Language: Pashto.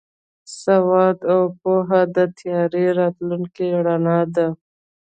سواد او پوهه د تیاره راتلونکي رڼا ده.